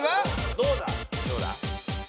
どうだ？